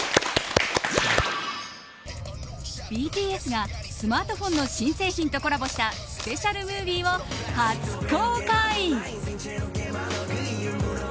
ＢＴＳがスマートフォンの新製品とコラボしたスペシャルムービーを初公開。